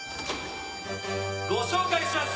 ご紹介します